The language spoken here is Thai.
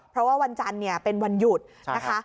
เพราะว่าวันจันทร์เนี่ยเป็นวันหยุดนะคะ